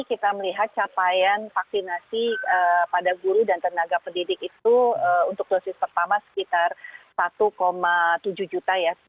kita melihat capaian vaksinasi pada guru dan tenaga pendidik itu untuk dosis pertama sekitar satu tujuh juta ya